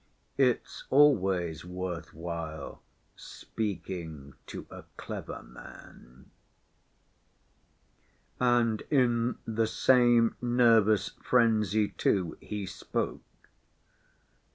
"It's Always Worth While Speaking To A Clever Man" And in the same nervous frenzy, too, he spoke.